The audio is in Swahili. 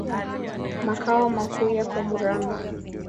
Makao makuu yako Murang'a.